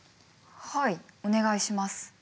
はいお願いします。